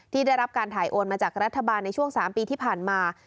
ได้รับการถ่ายโอนมาจากรัฐบาลในช่วง๓ปีที่ผ่านมา